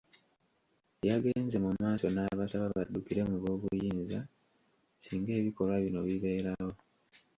Yagenze mu maaso n'abasaba baddukire mu b'obuyinza singa ebikolwa bino bibeerawo.